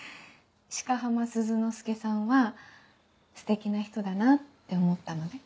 鹿浜鈴之介さんはステキな人だなって思ったので。